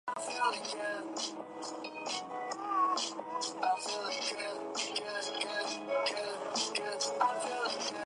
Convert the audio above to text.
不过它也可能是一颗有强磁场的夸克星。